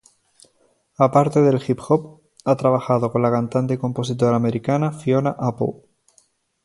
Aparte del hip hop, ha trabajado con la cantante y compositora americana Fiona Apple.